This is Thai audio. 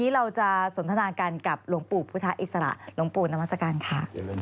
เราจะสนทนากันกับหลวงปู่พุทธอิสระหลวงปู่นวัศกาลค่ะ